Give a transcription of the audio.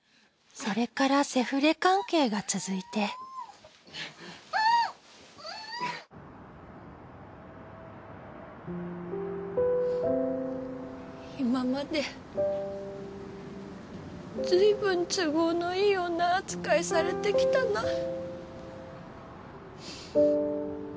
それからセフレ関係が続いて今までずいぶん都合のいい女扱いされてきたな。